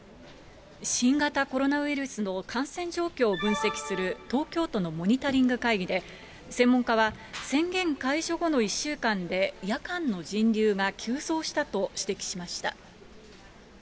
新型コロナウイルスの感染状況を分析する東京都のモニタリング会議で、専門家は宣言解除後の１週間で、夜間の人流が急増したと指摘しました。